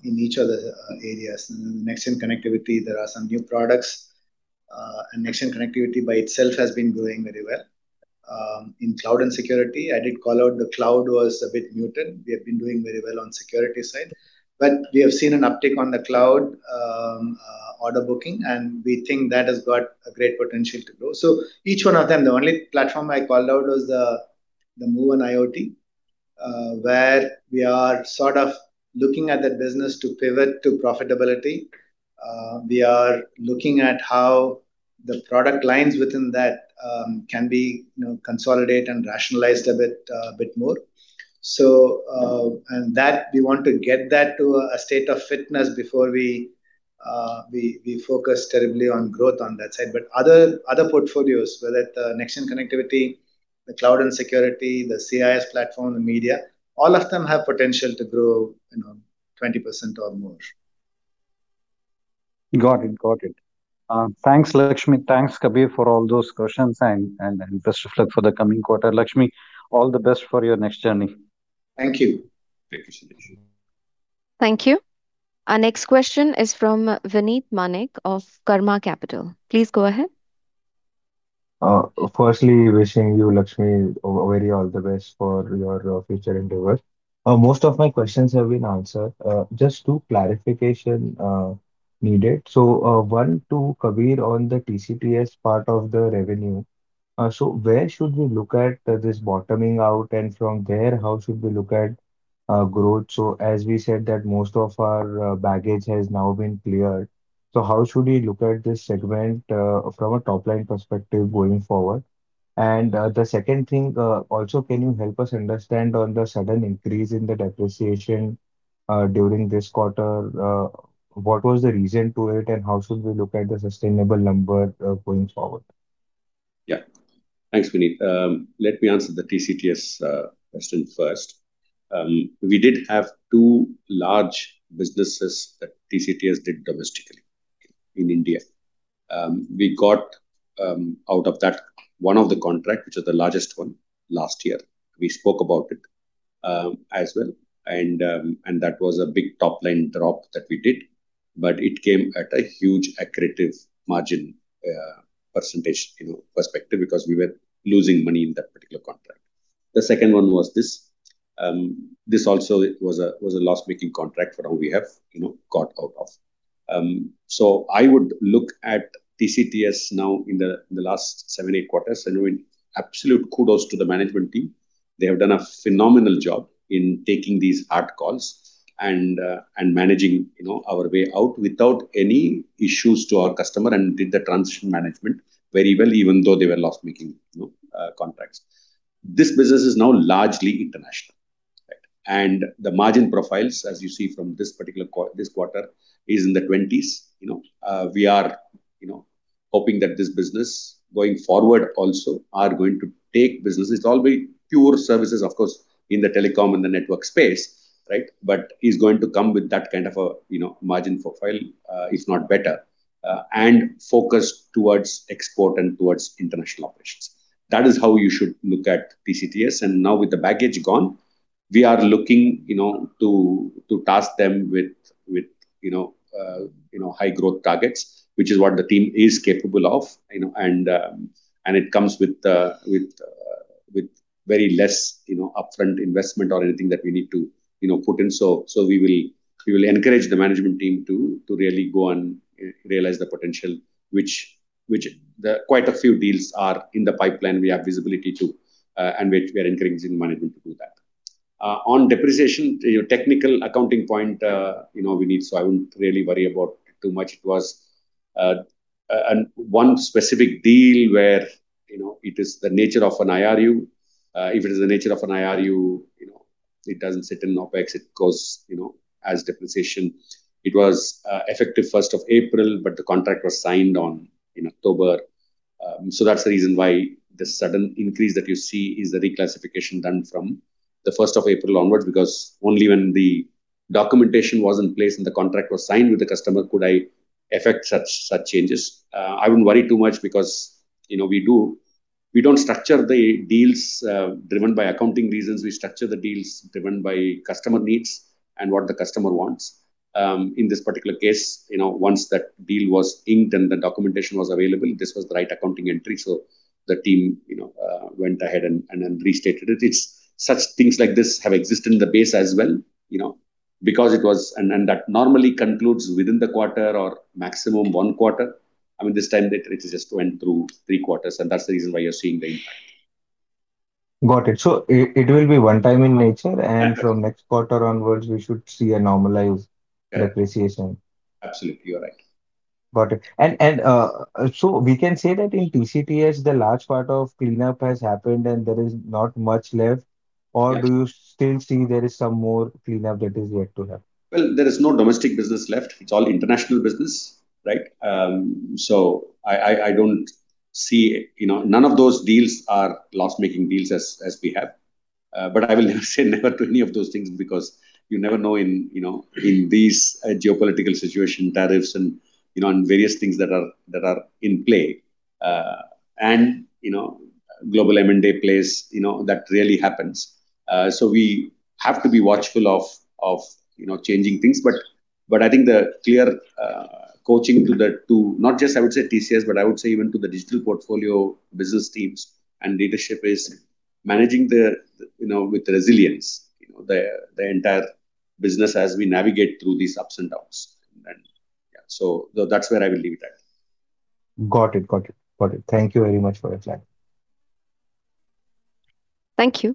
Speaker 2: in each of the areas. And in next-gen connectivity, there are some new products. And next-gen connectivity by itself has been doing very well. In cloud and security, I did call out the cloud was a bit muted. We have been doing very well on security side. But we have seen an uptick on the cloud order booking. And we think that has got a great potential to grow. So each one of them, the only platform I called out was the MOVE on IoT, where we are sort of looking at that business to pivot to profitability. We are looking at how the product lines within that can be consolidated and rationalized a bit more. That we want to get that to a state of fitness before we focus terribly on growth on that side. But other portfolios, whether it's the next-gen connectivity, the cloud and security, the CIS platform, the media, all of them have potential to grow 20% or more.
Speaker 6: Got it. Got it. Thanks, Lakshmi. Thanks, Kabir, for all those questions and best of luck for the coming quarter. Lakshmi, all the best for your next journey.
Speaker 2: Thank you. Thank you, Sanjesh.
Speaker 1: Thank you. Our next question is from Vinit Manek of Karma Capital. Please go ahead.
Speaker 7: Firstly, wishing you, Lakshmi, overall the best for your future endeavors. Most of my questions have been answered. Just two clarifications needed. So one to Kabir on the TCTS part of the revenue. So where should we look at this bottoming out? And from there, how should we look at growth? So as we said that most of our baggage has now been cleared. So how should we look at this segment from a top-line perspective going forward? And the second thing, also, can you help us understand on the sudden increase in the depreciation during this quarter? What was the reason to it? And how should we look at the sustainable number going forward?
Speaker 3: Yeah. Thanks, Vinit. Let me answer the TCTS question first. We did have two large businesses that TCTS did domestically in India. We got out of that one of the contracts, which is the largest one, last year. We spoke about it as well. That was a big top-line drop that we did. But it came at a huge accretive margin percentage perspective because we were losing money in that particular contract. The second one was this. This also was a loss-making contract from what we have got out of. I would look at TCTS now in the last seven, eight quarters. Absolute kudos to the management team. They have done a phenomenal job in taking these hard calls and managing our way out without any issues to our customer and did the transition management very well, even though they were loss-making contracts. This business is now largely international, and the margin profiles, as you see from this particular quarter, are in the 20s. We are hoping that this business going forward also is going to take business. It's all very pure services, of course, in the telecom and the network space, but it's going to come with that kind of a margin profile, if not better, and focus towards export and towards international operations. That is how you should look at TCTS, and now with the baggage gone, we are looking to task them with high growth targets, which is what the team is capable of. And it comes with very less upfront investment or anything that we need to put in, so we will encourage the management team to really go and realize the potential, which quite a few deals are in the pipeline. We have visibility to, and we are encouraging management to do that. On depreciation, technical accounting point, we need, so I won't really worry about too much. It was one specific deal where it is the nature of an IRU. If it is the nature of an IRU, it doesn't sit in OpEx. It goes as depreciation. It was effective 1st of April, but the contract was signed in October. So that's the reason why the sudden increase that you see is the reclassification done from the 1st of April onwards, because only when the documentation was in place and the contract was signed with the customer, could I affect such changes. I wouldn't worry too much because we don't structure the deals driven by accounting reasons. We structure the deals driven by customer needs and what the customer wants. In this particular case, once that deal was inked and the documentation was available, this was the right accounting entry. So the team went ahead and restated it. Such things like this have existed in the base as well because it was, and that normally concludes within the quarter or maximum one quarter. I mean, this time, it just went through three quarters. And that's the reason why you're seeing the impact.
Speaker 7: Got it. So it will be one-time in nature. And from next quarter onwards, we should see a normalized depreciation.
Speaker 3: Absolutely. You're right.
Speaker 7: Got it. And so we can say that in TCTS, the large part of cleanup has happened, and there is not much left. Or do you still see there is some more cleanup that is yet to have?
Speaker 3: There is no domestic business left. It's all international business. So I don't see none of those deals are loss-making deals as we have. But I will say never to any of those things because you never know in these geopolitical situations, tariffs, and various things that are in play. And global M&A plays, that really happens. So we have to be watchful of changing things. But I think the clear coaching to not just, I would say, TCTS, but I would say even to the digital portfolio business teams and leadership is managing with resilience the entire business as we navigate through these ups and downs. So that's where I will leave it at.
Speaker 7: Got it. Got it. Got it. Thank you very much for your time.
Speaker 1: Thank you.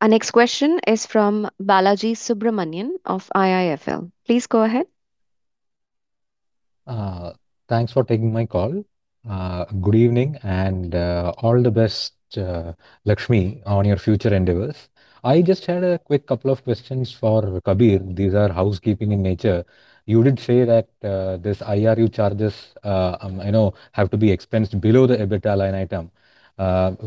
Speaker 1: Our next question is from Balaji Subramanian of IIFL. Please go ahead.
Speaker 8: Thanks for taking my call. Good evening and all the best, Lakshmi, on your future endeavors. I just had a quick couple of questions for Kabir. These are housekeeping in nature. You did say that this IRU charges have to be expensed below the EBITDA line item.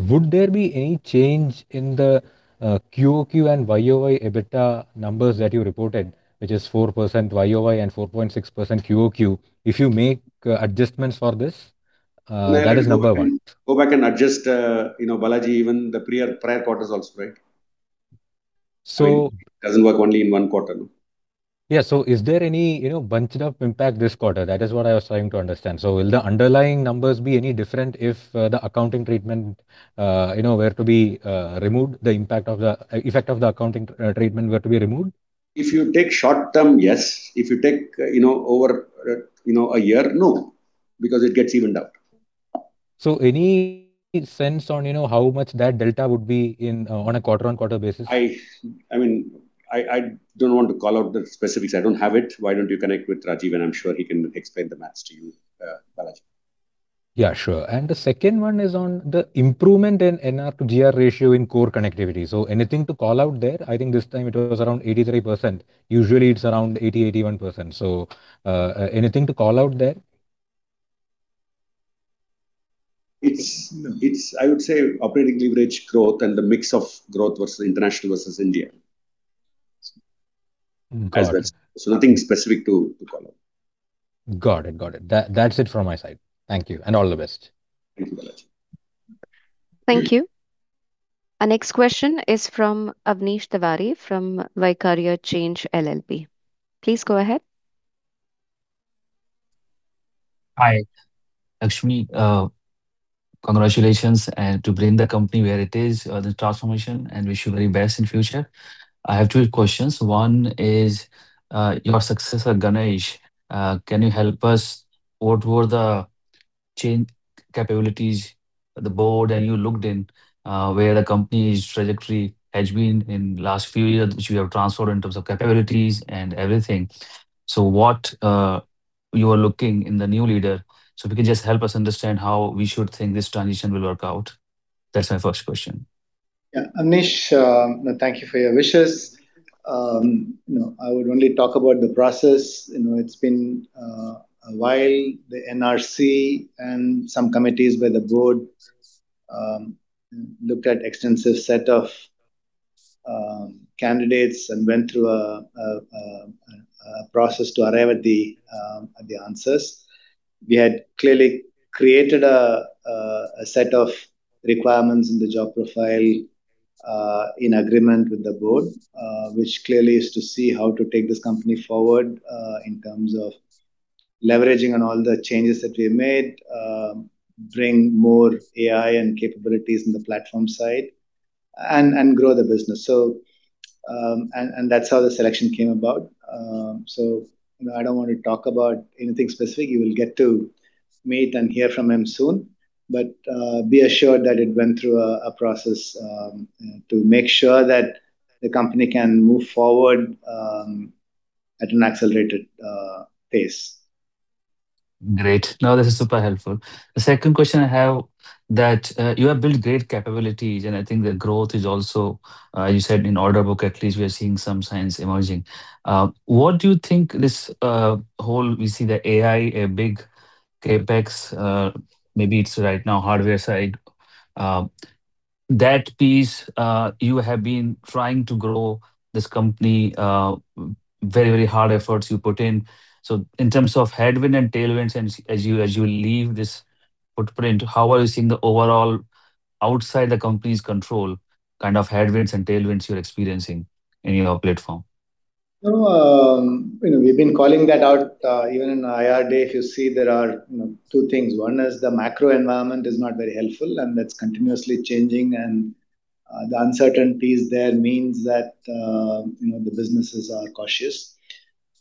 Speaker 8: Would there be any change in the QOQ and YOY EBITDA numbers that you reported, which is 4% YOY and 4.6% QOQ, if you make adjustments for this? That is number one.
Speaker 3: Go back and adjust, Balaji, even the prior quarters also, right? So it doesn't work only in one quarter.
Speaker 8: Yeah. So is there any bunched-up impact this quarter? That is what I was trying to understand. So will the underlying numbers be any different if the accounting treatment were to be removed, the effect of the accounting treatment were to be removed?
Speaker 3: If you take short-term, yes. If you take over a year, no, because it gets evened out.
Speaker 8: So any sense on how much that delta would be on a quarter-on-quarter basis?
Speaker 3: I mean, I don't want to call out the specifics. I don't have it. Why don't you connect with Rajiv, and I'm sure he can explain the math to you, Balaji.
Speaker 8: Yeah, sure. And the second one is on the improvement in NR to GR ratio in Core Connectivity. So anything to call out there? I think this time it was around 83%. Usually, it's around 80%-81%. So anything to call out there?
Speaker 3: It's, I would say, operating leverage growth and the mix of growth versus international versus India. So nothing specific to call out.
Speaker 8: Got it. Got it. That's it from my side. Thank you. And all the best.
Speaker 3: Thank you, Balaji.
Speaker 1: Thank you. Our next question is from Avnish Tiwari from Vaikarya Change LLP. Please go ahead.
Speaker 9: Hi, Lakshmi. Congratulations to bring the company where it is, the transformation, and wish you very best in the future. I have two questions. One is your successor, Ganesh. Can you help us outline the change capabilities, the board that you looked in, where the company's trajectory has been in the last few years, which we have transformed in terms of capabilities and everything. So what you are looking in the new leader, so we can just help us understand how we should think this transition will work out. That's my first question.
Speaker 2: Yeah. Avnish, thank you for your wishes. I would only talk about the process. It's been a while, the NRC and some committees by the board looked at an extensive set of candidates and went through a process to arrive at the answers. We had clearly created a set of requirements in the job profile in agreement with the board, which clearly is to see how to take this company forward in terms of leveraging on all the changes that we made, bring more AI and capabilities in the platform side, and grow the business. And that's how the selection came about. So I don't want to talk about anything specific. You will get to meet and hear from him soon. But be assured that it went through a process to make sure that the company can move forward at an accelerated pace.
Speaker 9: Great. No, this is super helpful. The second question I have, that you have built great capabilities, and I think the growth is also, as you said, in order book, at least we are seeing some signs emerging. What do you think this whole we see the AI, big CapEx, maybe it's right now hardware side, that piece you have been trying to grow this company, very, very hard efforts you put in. So in terms of headwinds and tailwinds, as you leave this footprint, how are you seeing the overall outside the company's control kind of headwinds and tailwinds you're experiencing in your platform?
Speaker 2: We've been calling that out even in IR day. If you see, there are two things. One is the macro environment is not very helpful, and that's continuously changing. The uncertainties there mean that the businesses are cautious.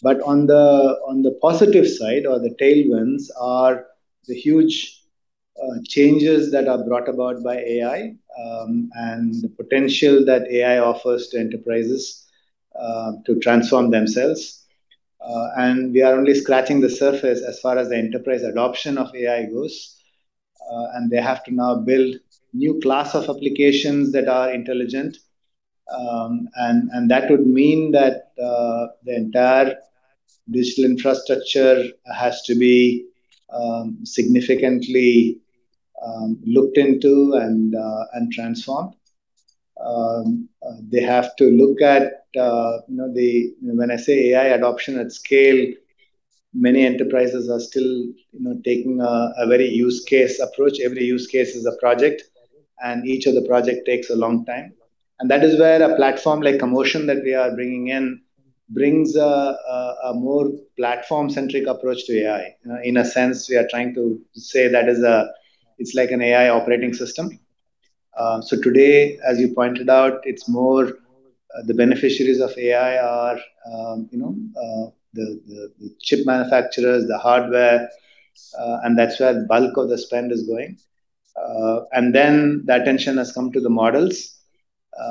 Speaker 2: But on the positive side or the tailwinds are the huge changes that are brought about by AI and the potential that AI offers to enterprises to transform themselves. We are only scratching the surface as far as the enterprise adoption of AI goes. They have to now build a new class of applications that are intelligent. That would mean that the entire digital infrastructure has to be significantly looked into and transformed. They have to look at the when I say AI adoption at scale, many enterprises are still taking a very use case approach. Every use case is a project, and each of the projects takes a long time, and that is where a platform like Commotion that we are bringing in brings a more platform-centric approach to AI. In a sense, we are trying to say that it's like an AI operating system. So today, as you pointed out, it's more the beneficiaries of AI are the chip manufacturers, the hardware, and that's where the bulk of the spend is going. And then the attention has come to the models.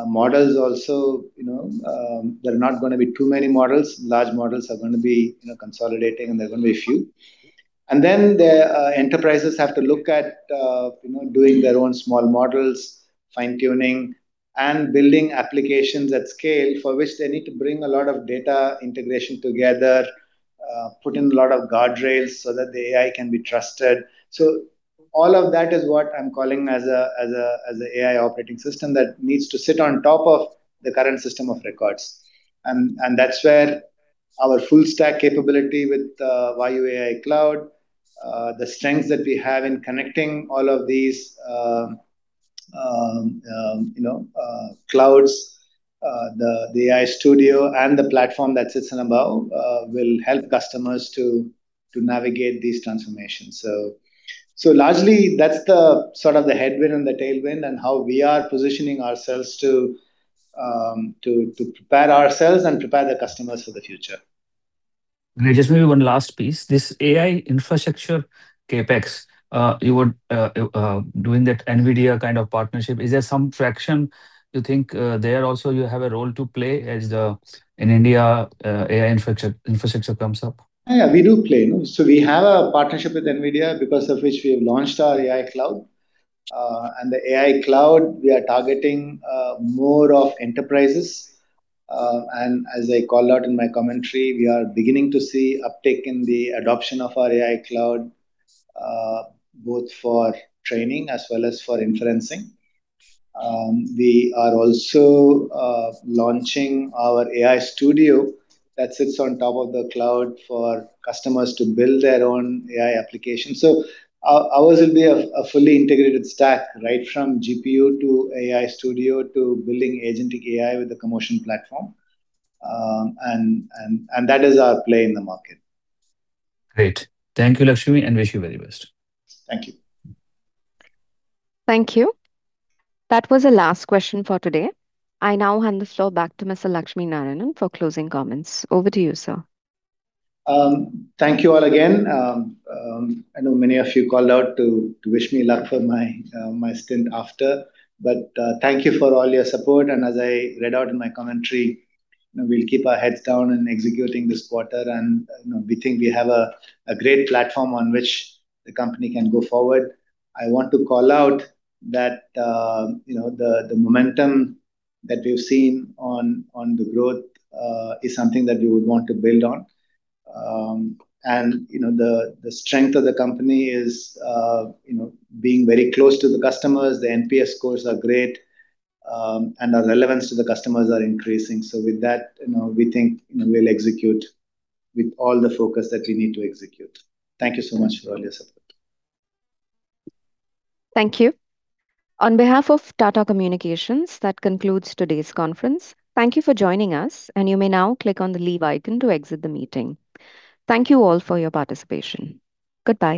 Speaker 2: Models also, there are not going to be too many models. Large models are going to be consolidating, and there are going to be a few. The enterprises have to look at doing their own small models, fine-tuning, and building applications at scale for which they need to bring a lot of data integration together, put in a lot of guardrails so that the AI can be trusted. All of that is what I'm calling as an AI operating system that needs to sit on top of the current system of records. That's where our full-stack capability with Vayu AI Cloud, the strength that we have in connecting all of these clouds, the AI Studio, and the platform that sits above will help customers to navigate these transformations. Largely, that's sort of the headwind and the tailwind and how we are positioning ourselves to prepare ourselves and prepare the customers for the future.
Speaker 9: Just maybe one last piece. This AI infrastructure CapEx, you were doing that NVIDIA kind of partnership. Is there some traction? You think there also you have a role to play as in India AI infrastructure comes up?
Speaker 2: Yeah, we do play, so we have a partnership with NVIDIA because of which we have launched our AI Cloud, and the AI Cloud, we are targeting more of enterprises, and as I called out in my commentary, we are beginning to see uptake in the adoption of our AI Cloud, both for training as well as for inferencing. We are also launching our AI Studio that sits on top of the cloud for customers to build their own AI application, so ours will be a fully integrated stack right from GPU to AI Studio to building agentic AI with the Commotion platform, and that is our play in the market.
Speaker 9: Great. Thank you, Lakshmi, and wish you very best.
Speaker 2: Thank you.
Speaker 1: Thank you. That was the last question for today. I now hand the floor back to Mr. Lakshminarayanan for closing comments. Over to you, sir.
Speaker 2: Thank you all again. I know many of you called out to wish me luck for my stint after. But thank you for all your support. And as I read out in my commentary, we'll keep our heads down in executing this quarter. And we think we have a great platform on which the company can go forward. I want to call out that the momentum that we've seen on the growth is something that we would want to build on. And the strength of the company is being very close to the customers. The NPS scores are great, and our relevance to the customers are increasing. So with that, we think we'll execute with all the focus that we need to execute. Thank you so much for all your support.
Speaker 1: Thank you. On behalf of Tata Communications, that concludes today's conference. Thank you for joining us, and you may now click on the leave icon to exit the meeting. Thank you all for your participation. Goodbye.